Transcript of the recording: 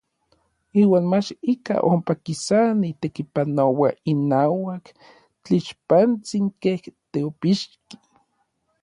Iuan mach ikaj ompa kisani tekipanoua inauak tlixpantsin kej teopixki.